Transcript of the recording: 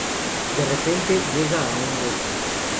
De repente, llega a un bosque.